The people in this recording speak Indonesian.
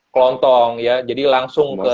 kelontong ya jadi langsung ke